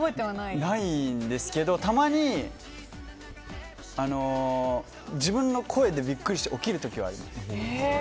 ないんですけどたまに、自分の声でビックリして起きる時はあります。